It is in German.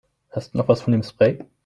Hast du noch was von dem Spray?